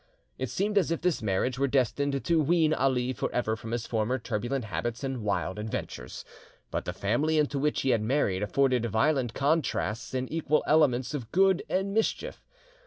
It seemed as if this marriage were destined to wean Ali forever from his former turbulent habits and wild adventures. But the family into which he had married afforded violent contrasts and equal elements of good and mischief.